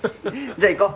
じゃあ行こ。